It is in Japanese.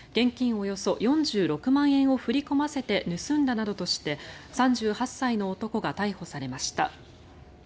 およそ４６万円を振り込ませて盗んだなどとして３８歳の男が逮捕されました。